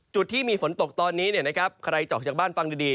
จุดที่มีฝนตกตอนนี้เนี่ยนะครับใครจอกจากบ้านฟังดี